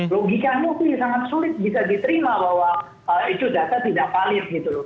logikanya itu sangat sulit bisa diterima bahwa itu data tidak valid gitu loh